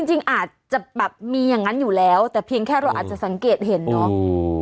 จริงอาจจะแบบมีอย่างนั้นอยู่แล้วแต่เพียงแค่เราอาจจะสังเกตเห็นเนาะ